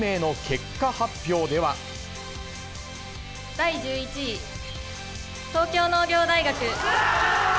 第１１位、東京農業大学。